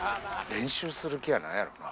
練習する気やないやろな。